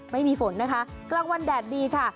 ไม่มีฝนนะคะกลางวันแดดดีค่ะ